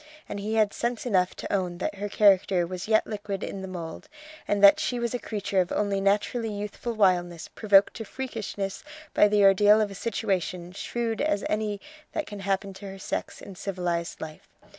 And he had sense enough to own that her character was yet liquid in the mould, and that she was a creature of only naturally youthful wildness provoked to freakishness by the ordeal of a situation shrewd as any that can happen to her sex in civilized life.